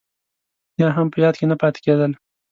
يا هم په ياد کې نه پاتې کېدل.